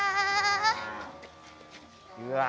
うわ！